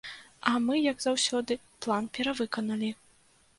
А мы, як заўсёды, план перавыканалі.